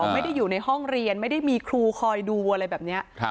ไม่ได้อยู่ในห้องเรียนไม่ได้มีครูคอยดูอะไรแบบนี้